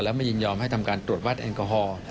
และไม่ยินยอมให้ทำการตรวจวัดแอลกอฮอล์